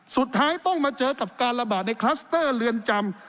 สุดท้ายต้องมาเจอกับการระบาดในคลัสเตอร์เรือนจำ